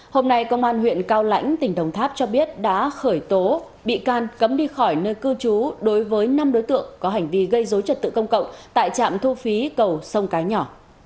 hôm nay công an huyện cao lãnh tỉnh đồng tháp cho biết đã khởi tố bị can cấm đi khỏi nơi cư trú đối với năm đối tượng có hành vi gây dối trật tự công cộng tại trạm thu phí cầu sông cái nhỏ